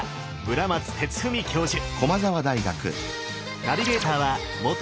村松哲文教授。